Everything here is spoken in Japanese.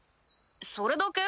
それだけ？